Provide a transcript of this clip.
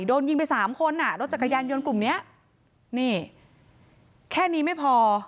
โดนยิงไปสามคนอ่ะรถจักรยานยนต์กลุ่มเนี้ยนี่แค่นี้ไม่พอ